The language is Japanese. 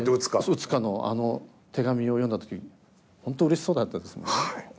討つかのあの手紙を読んだ時本当うれしそうだったですよね。